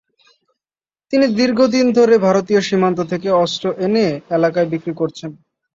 তিনি দীর্ঘদিন ধরে ভারতীয় সীমান্ত থেকে অস্ত্র এনে এলাকায় বিক্রি করছেন।